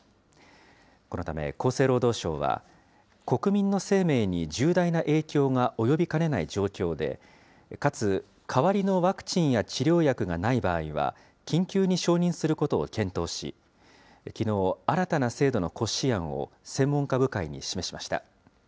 このため、厚生労働省は、国民の生命に重大な影響が及びかねない状況で、かつ代わりのワクチンや治療薬がない場合は、緊急に承認することを検討し、きのう、新たな制度の骨子案を専門家部会に示しました。